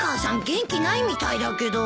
元気ないみたいだけど。